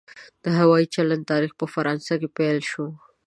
د هوایي چلند تاریخ په فرانسه کې پیل شو.